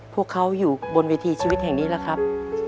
พวกเขาอยู่บนเวทีชีวิตแห่งนี้แหละครับ